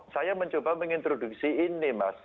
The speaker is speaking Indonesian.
saya mencoba mengintroduksi ini mas